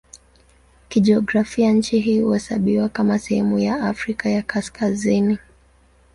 Kijiografia nchi hii huhesabiwa kama sehemu ya Afrika ya Kaskazini.